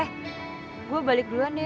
eh gue balik duluan nih